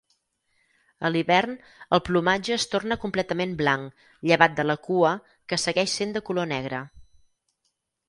A l'hivern, el plomatge es torna completament blanc llevat de la cua, que segueix sent de color negre.